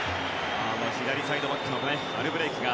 左サイドバックのアルブレイクが。